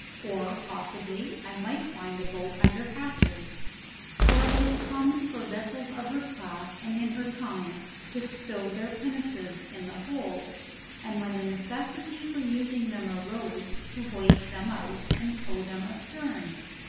Or possibly I might find a boat under hatches, for it was common for vessels of her class and in her time to stow their pinnaces in the hold, and, when the necessity for using them arose, to hoist them out and tow them astern.